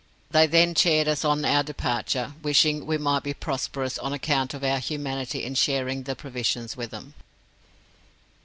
They then cheered us on our departure, wishing we might be prosperous on account of our humanity in sharing the provisions with them.